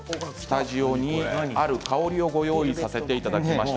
ある香りをご用意させていただきました。